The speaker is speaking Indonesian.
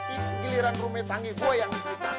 ini giliran rumi tanggi gua yang kita